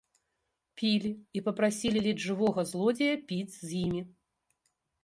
Пілі і папрасілі ледзь жывога злодзея піць з імі.